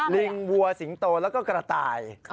ลิงวัวสิงโตแล้วก็กระต่าย